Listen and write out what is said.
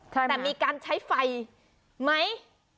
แต่มีการใช้ไฟไหม